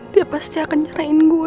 dia pasti akan nyerahin gue